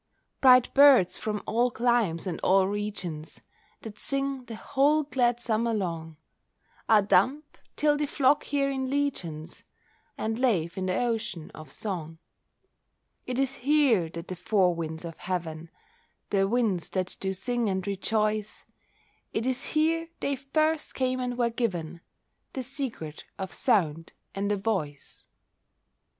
Bright birds from all climes and all regions, That sing the whole glad summer long, Are dumb, till they flock here in legions And lave in the ocean of song. It is here that the four winds of heaven, The winds that do sing and rejoice, It is here they first came and were given The secret of sound and a voice.